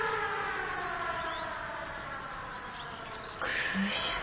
空襲？